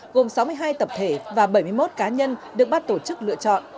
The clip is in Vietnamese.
gồm sáu mươi hai tập thể và bảy mươi một cá nhân được ban tổ chức lựa chọn